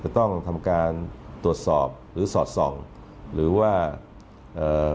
ต้องทำการตรวจสอบหรือสอดส่องหรือว่าเอ่อ